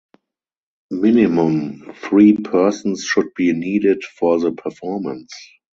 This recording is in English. Minimum three persons should be needed for the performance.